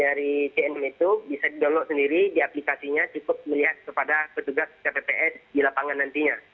jadi dari cnm itu bisa di download sendiri di aplikasinya cukup melihat kepada petugas kpps di lapangan nantinya